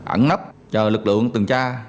ẩn nấp chờ lực lượng từng tra